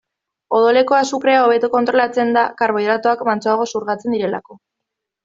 Odoleko azukrea hobeto kontrolatzen da, karbohidratoak mantsoago xurgatzen direlako.